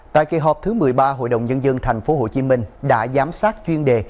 tại kỳ họp thứ một mươi ba hội đồng nhân dân tp hcm đã giám sát chuyên đề